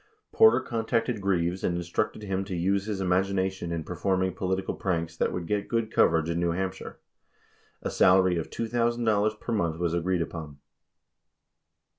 53 Porter, contacted Greaves and instructed him to use his imagina tion in performing political pranks that would get good coverage in New Hampshire. 54 A salary of $2,000 per month was agreed upon.